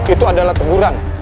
itu adalah teguran